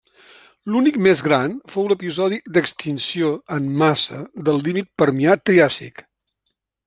L'únic més gran fou l'episodi d'extinció en massa del límit Permià-Triàsic.